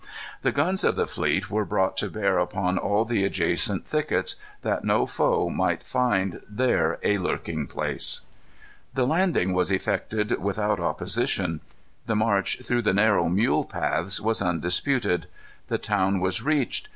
The guns of the fleet were brought to bear upon all the adjacent thickets, that no foe might find there a lurking place. The landing was effected without opposition. The march, through the narrow mule paths, was undisputed. The town was reached.